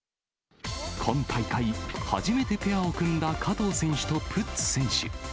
今大会、初めてペアを組んだ加藤選手とプッツ選手。